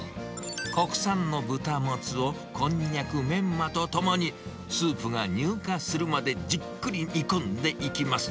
国産の豚モツを、こんにゃく、メンマとともに、スープが乳化するまでじっくり煮込んでいきます。